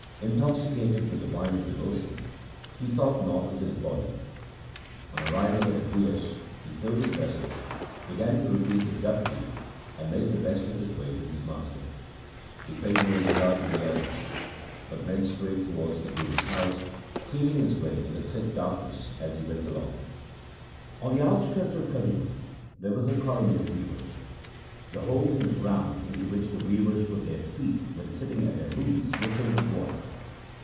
Intoxicated with the wine of devotion he thought not of his body. On arriving at the Bias, he filled his vessel, began to repeat the Japji, and made the best of his way to his master. He paid no regard to the elements, but went straight towards the Guru's house, feeling his way in the thick dark ness as he went along. On the outskirts of Khadur there was a colony of weavers. The holes in the ground, into which the weavers put their feet when sitting at their looms, were filled with water.